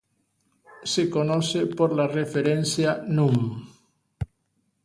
Se conoce por la referencia núm.